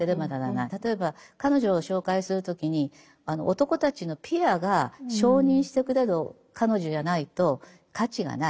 例えば彼女を紹介する時に男たちのピアが承認してくれる彼女じゃないと価値がない。